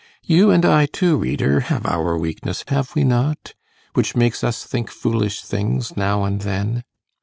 You and I, too, reader, have our weakness, have we not? which makes us think foolish things now and then.